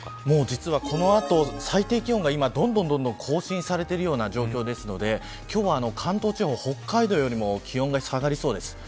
もう実はこの後、最低気温がどんどん更新されているような状況ですので今日は関東地方は北海道よりも気温が下がりそうです。